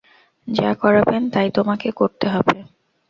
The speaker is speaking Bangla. যা করাবেন, তাই তোমাকে করতে হবে।